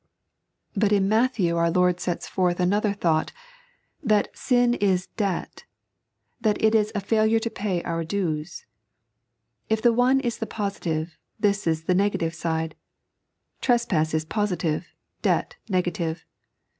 But in Matthew our Lord sets forth another thought — that ffin ia debt, that it is a ftiilure to pay our dues. If the oue is the positive, this is the negative side. IVespass ia positive, debt negative.